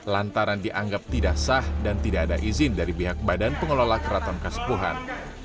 lantaran dianggap tidak sah dan tidak ada izin dari pihak badan pengelola keraton kasepuhan